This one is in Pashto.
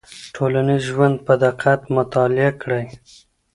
ټولنیز ژوند په دقت مطالعه کړئ.